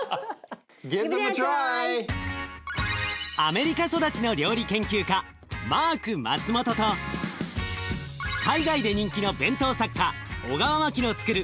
アメリカ育ちの料理研究家マーク・マツモトと海外で人気の弁当作家小川真樹のつくる